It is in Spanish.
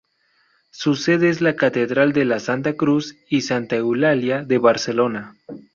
Su sede es la Catedral de la Santa Cruz y Santa Eulalia de Barcelona.